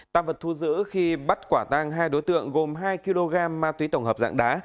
tăng vật thu giữ khi bắt quả tang hai đối tượng gồm hai kg ma túy tổng hợp dạng đá